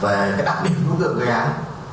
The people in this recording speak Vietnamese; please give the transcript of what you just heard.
và cái đặc điểm cũng được gây án